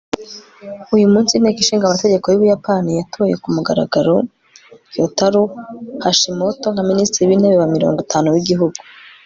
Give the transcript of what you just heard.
uyu munsi inteko ishinga amategeko y'ubuyapani yatoye ku mugaragaro ryoutarou hashimoto nka minisitiri w'intebe wa mirongo itanu w'igihugu